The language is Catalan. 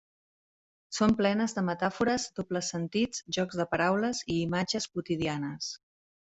Són plenes de metàfores, dobles sentits, jocs de paraules i imatges quotidianes.